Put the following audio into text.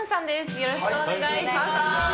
よろしくお願いします。